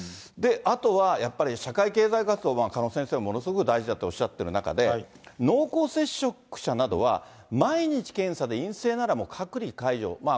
あとはやっぱり社会経済活動、鹿野先生、ものすごく大事だとおっしゃっている中で、濃厚接触者などは毎日検査で陰性なら隔離解除を。